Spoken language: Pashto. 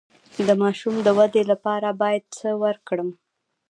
د ماشوم د ودې لپاره باید څه ورکړم؟